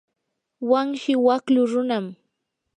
wanshi waklu runam.